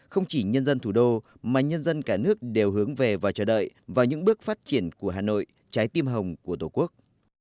không chỉ nhân dân thủ đô mà nhân dân cả nước đều hướng về và chờ đợi vào những bước phát triển của hà nội trái tim hồng của tổ quốc